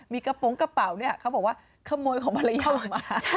มีกระโปรงกระเป๋าเนี่ยเขาบอกว่าขโมยของภรรยาออกมา